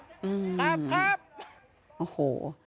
ครับครับ